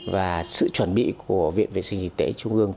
và sự chuẩn bị của viện vệ sinh y tế trung ương